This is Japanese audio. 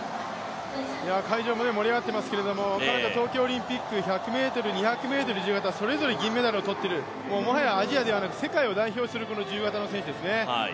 会場、盛り上がってますけど彼女、東京オリンピック、１００ｍ、２００ｍ自由形、それぞれ銀メダルを取っている、アジアではなくもはや世界を代表する自由形の選手ですね。